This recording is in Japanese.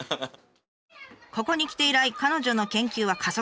ここに来て以来彼女の研究は加速。